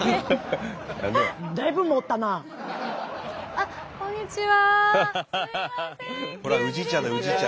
あっこんにちは。